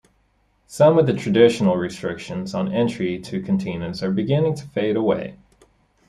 Some of the traditional restrictions on entry to cantinas are beginning to fade away.